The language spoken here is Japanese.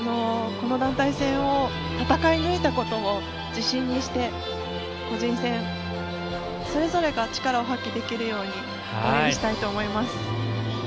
この団体戦を戦い抜いたことを自信にして個人戦それぞれが力を発揮できるように応援したいと思います。